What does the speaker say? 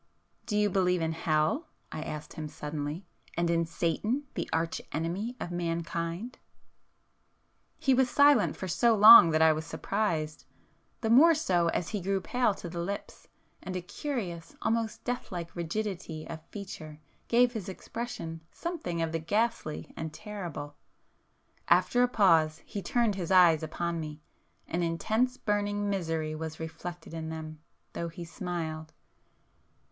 "Do you believe in hell?" I asked him suddenly—"And in Satan, the Arch Enemy of mankind?" He was silent for so long that I was surprised, the more so as he grew pale to the lips, and a curious, almost deathlike rigidity of feature gave his expression something of the ghastly and terrible. After a pause he turned his eyes upon me,—an intense burning misery was reflected in them, though he smiled.